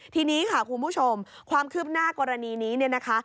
ทีนี้ค่ะคุณผู้ชมความคืบหน้ากรณีนี้เนี่ยนะคะ